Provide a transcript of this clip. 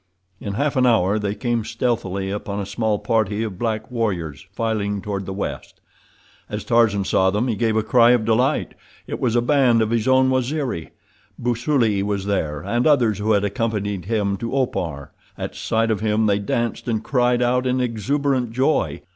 In half an hour they came stealthily upon a small party of black warriors filing toward the west. As Tarzan saw them he gave a cry of delight—it was a band of his own Waziri. Busuli was there, and others who had accompanied him to Opar. At sight of him they danced and cried out in exuberant joy.